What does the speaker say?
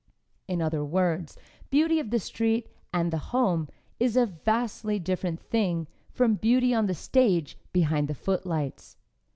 In other words, beauty of the street and the home is a vastly different thing from beauty on the stage behind the footlights.